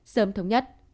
sớm thống nhất